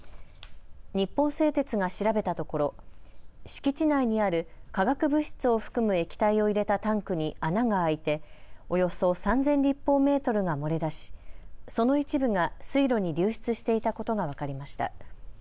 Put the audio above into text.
日本製鉄が調べたところ敷地内にある化学物質を含む液体を入れたタンクに穴が開いておよそ３０００立方メートルが漏れ出し、その一部が水路に流出していたことが分かりました。